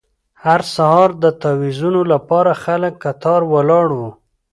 هر سهار د تاویزونو لپاره خلک کتار ولاړ وو.